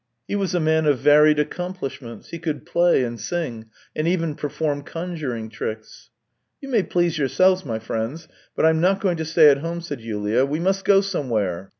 He was a man of varied accomplishments; he could play and sing, and even perform conjuring tricks. " You may please yourselves, my friends, but I'm not going to stay at home," said Yulia. " We must go somewhere."